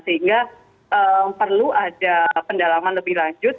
sehingga perlu ada pendalaman lebih lanjut